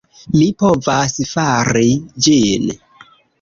Mi povas fari ĝin.